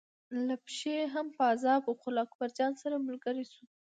له پښې یې هم پازاب و خو له اکبرجان سره ملګری و.